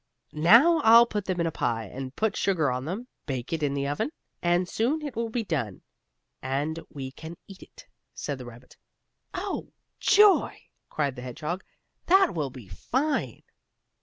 "Now I'll put them in the pie, and put sugar on them, bake it in the oven, and soon it will be done, and we can eat it," said the rabbit. "Oh, joy!" cried the hedgehog. "That will be fine!"